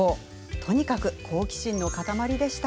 とにかく好奇心の塊でした。